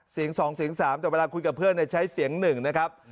เสียง๒เสียง๓แต่เวลาคุยกับเพื่อนใช้เสียง๑นะครับ